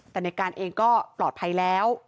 แต่ในการเองก็ปลอดภัยแล้ว